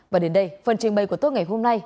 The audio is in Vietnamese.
và đến đây phần trình bày của tốt ngày hôm nay